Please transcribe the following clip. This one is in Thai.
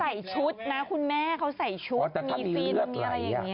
ใส่ชุดนะคุณแม่เขาใส่ชุดมีฟินมีอะไรอย่างนี้